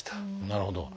なるほど。